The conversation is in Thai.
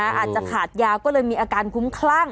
อาจจะขาดยาก็เลยมีอาการคุ้มคลั่ง